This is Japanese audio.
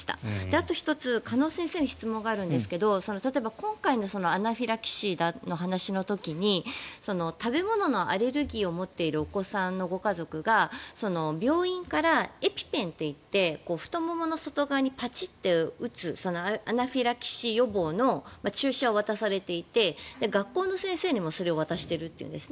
あと１つ、鹿野先生に質問があるんですけど例えば今回のアナフィラキシーの話の時に食べ物のアレルギーを持ってるお子さんのご家族が病院からエピペンといって太ももの外側にパチンと打つアナフィラキシー予防の注射を渡されていて学校の先生にもそれを渡しているというんです。